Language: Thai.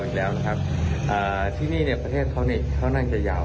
อีกแล้วนะครับอ่าที่นี่เนี่ยประเทศเขานี่เขานั่งจะยาว